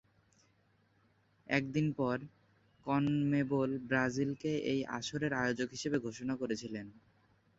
এক দিন পর, কনমেবল ব্রাজিলকে এই আসরের আয়োজক হিসেবে ঘোষণা করেছিল।